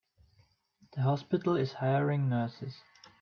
The hospital is hiring nurses.